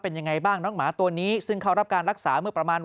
เป็นยังไงบ้างน้องหมาตัวนี้ซึ่งเขารับการรักษาเมื่อประมาณ